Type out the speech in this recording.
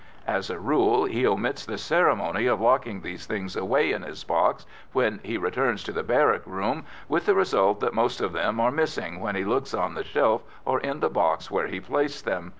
As a rule, he omits the ceremony of locking these things away in his box when he returns to the barrack room, with the result that most of them are missing when he looks on the shelf or in the box where he placed them.